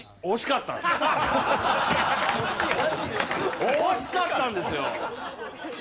惜しかったんですよ。